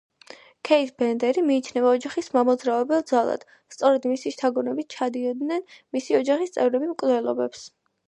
ქეით ბენდერი მიიჩნევა ოჯახის მამოძრავებელ ძალად, სწორედ მისი შთაგონებით სჩადიოდნენ მისი ოჯახის წევრები მკვლელობებს.